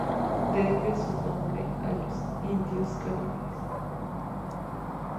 Debe su nombre a los Indios Caribes.